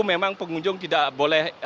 memang pengunjung tidak boleh